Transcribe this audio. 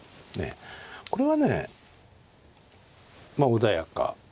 これはねまあ穏やか。